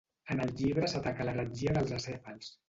En el llibre s'ataca l'heretgia dels acèfals.